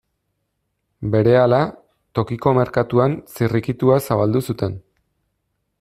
Berehala, tokiko merkatuan zirrikitua zabaldu zuten.